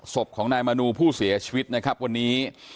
ศพของนายมนูผู้เสียชีวิตนะครับวันนี้